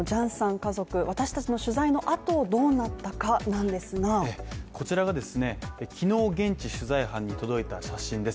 家族私達の取材の後どうなったかなんですがこちらがですね、昨日現地取材班に届いた写真です。